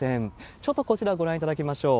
ちょっとこちらご覧いただきましょう。